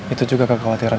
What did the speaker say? itu juga kakak khawatir saya